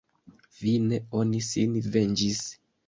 Fine, oni sin venĝis.